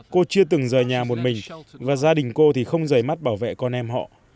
cô chưa từng rời nhà một mình và gia đình cô thì không dày mắt bảo vệ con em họ